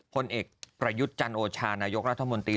ผลเอกประยุทธ์จันโอชานายกรัฐมนตรี